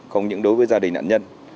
không những đối với gia đình nạn nhân